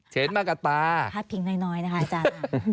เฉนมากะตาพระพิงน้อยนะครับอาจารย์